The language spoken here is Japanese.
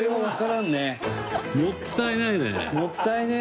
もったいないね。